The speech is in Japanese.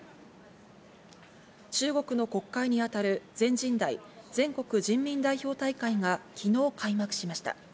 中国の国会にあたる全人代＝全国人民代表大会が昨日、開幕しました。